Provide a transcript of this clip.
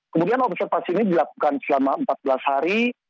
kemudian observasi ini dilakukan selama empat belas hari